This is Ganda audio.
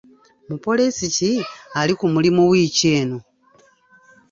Mupoliisi ki ali ku mulimu wiiki eno?